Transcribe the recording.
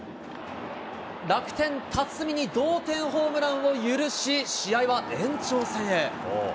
楽天、辰己に同点ホームランを許し、試合は延長戦へ。